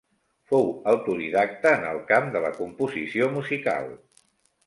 Fou autodidacta en el camp de la composició musical.